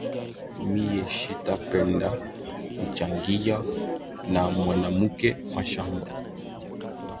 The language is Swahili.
Miye shita penda kuchangiya na mwanamuke mashamba